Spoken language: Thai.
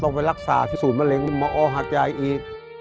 ต้องไปรักษาที่ศูนย์มะเร็งมฮอี